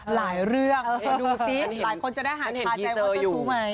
หลายเรื่องดูสิหลายคนจะได้หันคาใจว่าเจ้าชู้ไหม